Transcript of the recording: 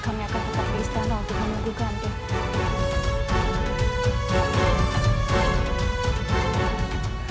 kami akan tetap di istana untuk menunggu kakanda